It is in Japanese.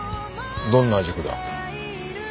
どんな軸だ？